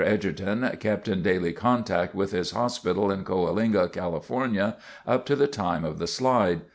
Edgerton kept in daily contact with his hospital in Coalinga, California, up to the time of the slide.